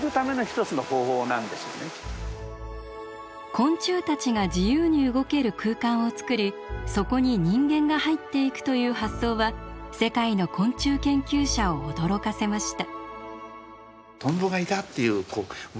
昆虫たちが自由に動ける空間をつくりそこに人間が入っていくという発想は世界の昆虫研究者を驚かせました。